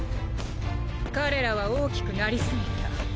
彼らは大きくなりすぎた。